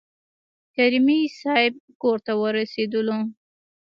کریمي صیب کورته ورسېدلو.